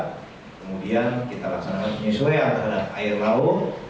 kemudian kita laksanakan penyesuaian terhadap air laut